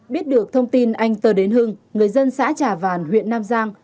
biết được thông tin anh tờ đến hưng người dân xã trà vàn huyện nam giang